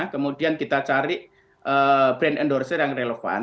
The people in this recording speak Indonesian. kemudian kita cari brand endorser yang relevan